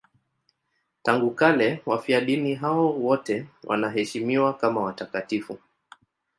Tangu kale wafiadini hao wote wanaheshimiwa kama watakatifu.